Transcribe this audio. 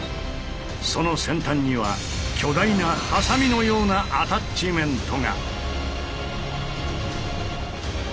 その先端には巨大なハサミのようなアタッチメントが！